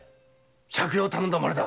借用を頼んだまでだ。